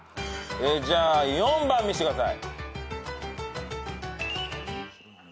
じゃあ４番見してください。